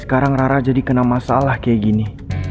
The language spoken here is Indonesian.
sekarang rara jadi kena masalah kayak gini